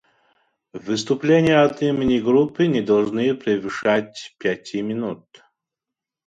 Выступления от имени группы не должны превышать пяти минут.